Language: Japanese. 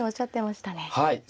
はい。